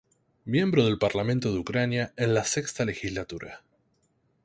Miembro del Parlamento de Ucrania en la sexta legislatura.